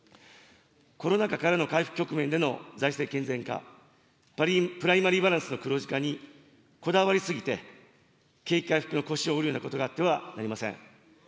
コロナ禍からの回復局面での財政健全化、プライマリーバランスの黒字化にこだわり過ぎて、景気回復の腰を折るようなことがあってはなりません。